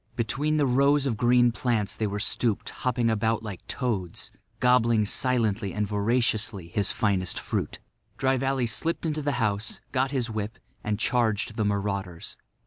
Between the rows of green plants they were stooped, hopping about like toads, gobbling silently and voraciously his finest fruit. Dry Valley slipped into the house, got his whip, and charged the marauders.